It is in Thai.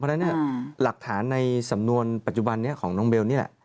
เพราะฉะนั้นหลักฐานในสำนวนปัจจุบันนี้ของน้องเบลนี่แหละ